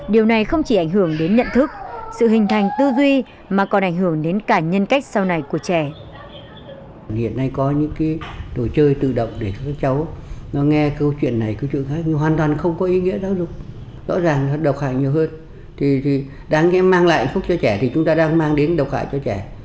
điều này không chỉ ảnh hưởng đến nhận thức sự hình thành tư duy mà còn ảnh hưởng đến cả nhân cách sau này của trẻ